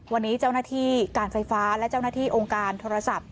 วันนี้เจ้าหน้าที่การไฟฟ้าและเจ้าหน้าที่องค์การโทรศัพท์